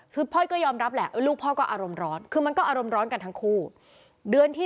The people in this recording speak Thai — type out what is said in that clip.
คือพ่อยก็ยอมรับแหละลูกพ่อก็อารมณ์ร้อนคือมันก็อารมณ์ร้อนกันทั้งคู่เดือนที่